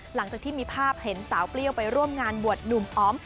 หลังจากที่มีภาพเห็นสาวเปรี้ยวไปร่วมงานบวชหนุ่มออม